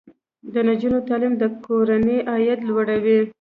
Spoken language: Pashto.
د نجونو تعلیم د کورنۍ عاید لوړوي.